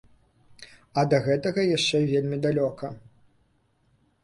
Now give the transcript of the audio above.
А да гэтага яшчэ вельмі далёка.